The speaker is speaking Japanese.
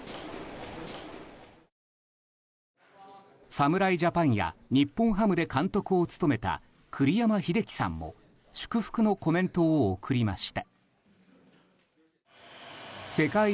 侍ジャパンや日本ハムで監督を務めた栗山英樹さんも祝福のコメントを送りました。